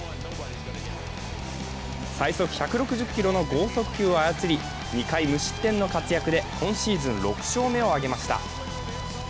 最速１６０キロの剛速球を操り２回無失点の活躍で今シーズン６勝目を挙げました。